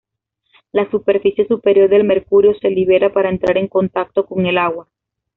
La superficie superior del mercurio se libera para entrar en contacto con el agua.